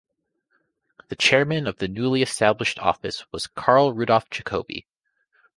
The Chairman of the newly established office was Karl Rudolf Jacobi.